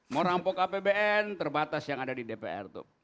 mau rampok apbn terbatas yang ada di dpr itu